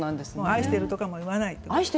愛してるとかも言わない。